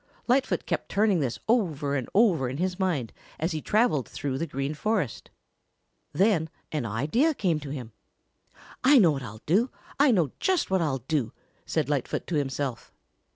Lightfoot kept turning this over and over in his mind as he traveled through the Green Forest. Then an idea came to him. "I know what I'll do. I know just what I'll do," said Lightfoot to himself.